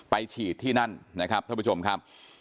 ฉีดที่นั่นนะครับท่านผู้ชมครับ